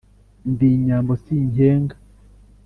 Ndi Nyambo sinkenga